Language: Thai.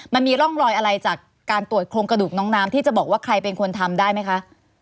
มันมีร่องรอยอะไรจากการตรวจโครงกระดูกน้องน้ำที่จะบอกว่าใครเป็นคนทำได้ไหมคะ